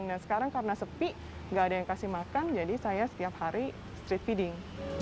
dan sekarang karena sepi gak ada yang kasih makan jadi saya setiap hari street feeding